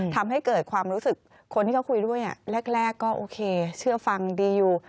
ทำให้เกิดความรู้สึกคนที่เขาคุยด้วยแรกก็โอเคเชื่อฟังดีอยู่